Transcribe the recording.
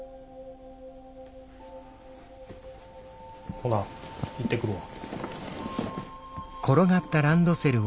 ほな行ってくるわ。